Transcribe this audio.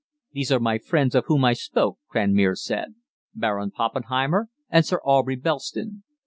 "These are my friends of whom I spoke," Cranmere said, "Baron Poppenheimer and Sir Aubrey Belston."